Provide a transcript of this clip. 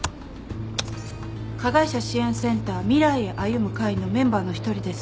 加害者支援センター未来へ歩む会のメンバーの一人です。